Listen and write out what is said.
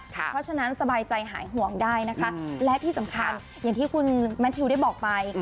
เพราะฉะนั้นสบายใจหายห่วงได้นะคะและที่สำคัญอย่างที่คุณแมททิวได้บอกไป